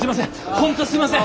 本当すいません！